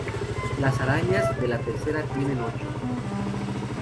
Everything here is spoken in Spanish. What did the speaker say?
Las arañas de la tercera tienen ocho.